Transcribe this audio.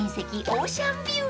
オーシャンビュー］